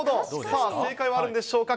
さあ、正解はあるんでしょうか。